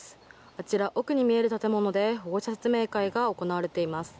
あちら、奥に見える建物で保護者説明会が行われています。